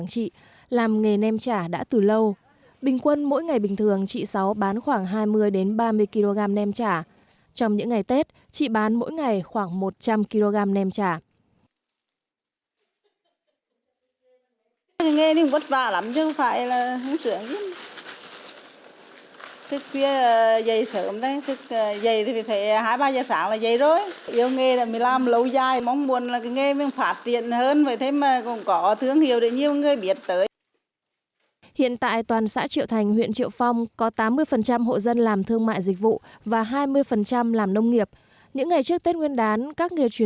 chị nguyễn thị sáu ở thôn cổ thành xã triệu thành huyện triệu phong tỉnh quảng trị